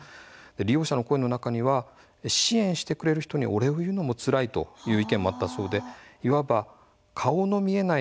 利用者の声の中には支援してくれる人にお礼を言うのもつらいという意見もあったそうでいわば顔の見えない